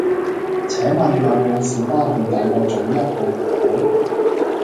請問有無小巴去大角嘴一號銀海